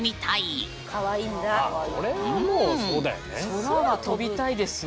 空飛びたいですよ。